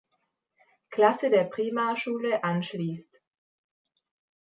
Klasse der Primarschule anschliesst.